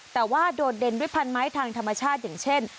แต่ว่าโดดเด่นด้วยพันไม้ทางธรรมชาติอย่างเช่น